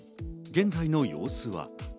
現在の様子は。